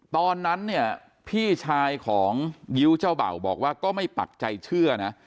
ตอนนั้นเนี่ยพี่ชายของยิ้วเจ้าเบ่าบอกว่าก็ไม่ปักใจเชื่อนะ